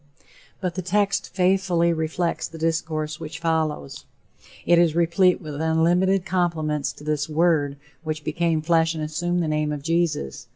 But the text faithfully reflects the discourse which follows. It is replete with unlimited compliments to this Word which became flesh and assumed the name of Jesus.